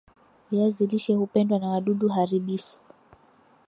Viazi lishe hupendwa na wadudu haribifu